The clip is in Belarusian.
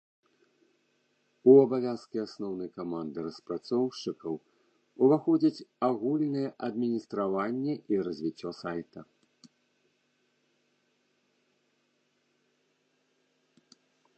У абавязкі асноўнай каманды распрацоўшчыкаў уваходзіць агульнае адміністраванне і развіццё сайта.